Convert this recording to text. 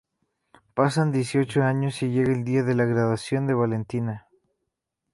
Pasan dieciocho años, y llega el día de la graduación de Valentina.